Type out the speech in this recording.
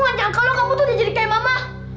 sandy aku ngajak kamu tuh nggak jadi kayak mama